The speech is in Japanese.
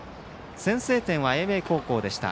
先制点は英明高校でした。